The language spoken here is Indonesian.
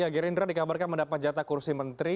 gerindra dikabarkan mendapat jatah kursi menteri